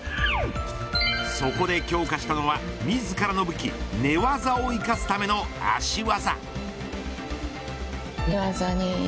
そこで強化したのは自らの武器寝技を生かすための足技。